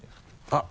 あっ。